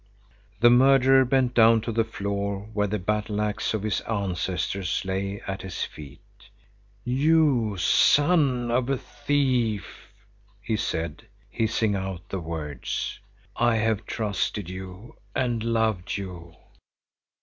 The murderer bent down to the floor, where the battle axe of his ancestors lay at his feet. "You son of a thief!" he said, hissing out the words, "I have trusted you and loved you."